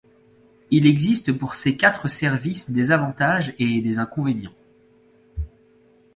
Il existe pour ces quatre services des avantages et des inconvénients.